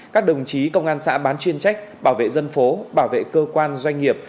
các đồng chí công an xã bán chuyên trách bảo vệ dân phố bảo vệ cơ quan doanh nghiệp